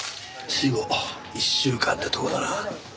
死後１週間ってとこだな。